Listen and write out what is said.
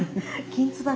きんつば？